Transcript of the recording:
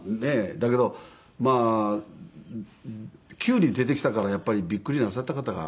だけどまあ急に出てきたからやっぱりびっくりなさった方が。